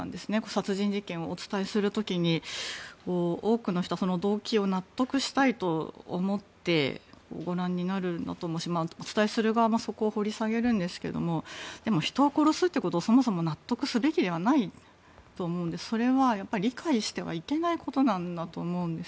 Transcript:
殺人事件をお伝えする時に多くの人は動機を納得したいと思ってご覧になるんだと思うしお伝えする側もそこを掘り下げるんですがでも人を殺すことをそもそも納得すべきではないと思いますしそれは理解してはいけないことなんだと思うんです。